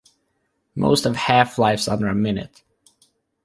Most have half-lives under a minute.